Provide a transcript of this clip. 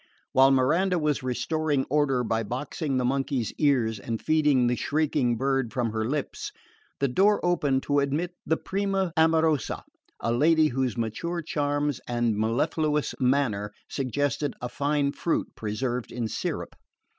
While Miranda was restoring order by boxing the monkey's ears and feeding the shrieking bird from her lips, the door opened to admit the prima amorosa, a lady whose mature charms and mellifluous manner suggested a fine fruit preserved in syrup.